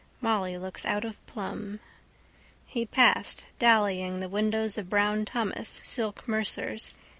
Molly looks out of plumb. He passed, dallying, the windows of Brown Thomas, silk mercers.